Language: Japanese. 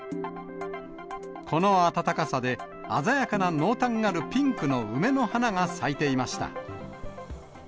この暖かさで、鮮やかなピンクの濃淡の梅の花が咲いていました。